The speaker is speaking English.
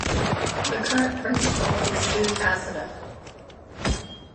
The current principal is Sue Cassata.